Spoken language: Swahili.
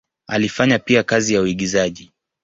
Alifanya pia kazi ya uigizaji.